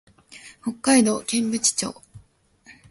北海道剣淵町